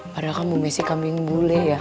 padahal kan bu messi kaming bule ya